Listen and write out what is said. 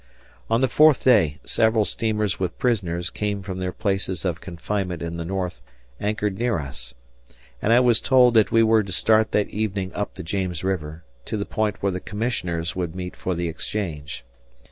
On the fourth day, several steamers with prisoners from their places of confinement in the North anchored near us, and I was told that we were to start that evening up the James River, to the point where the commissioners would meet for the exchange.